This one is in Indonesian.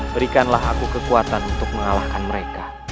berikanlah aku kekuatan untuk mengalahkan mereka